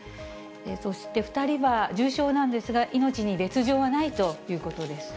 そして２人は重傷なんですが、命に別状はないということです。